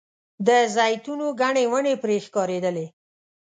د زیتونو ګڼې ونې پرې ښکارېدلې.